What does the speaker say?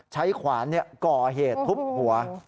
ใช้ขวานเนี่ยก่อเหตุทุบหัว